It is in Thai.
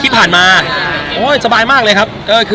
ผ่านมาสบายมากเลยครับ